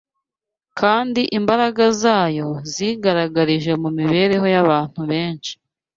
kandi imbaraga zayo zigaragarije mu mibereho y’abantu benshi